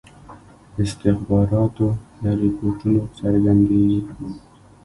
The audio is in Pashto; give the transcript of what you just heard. استخباراتو له رپوټونو څرګندیږي.